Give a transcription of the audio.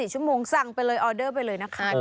๔ชั่วโมงสั่งไปเลยออเดอร์ไปเลยนะคะ